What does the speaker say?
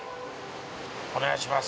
お願いします。